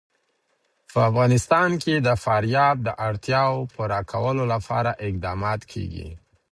په افغانستان کې د فاریاب د اړتیاوو پوره کولو لپاره اقدامات کېږي.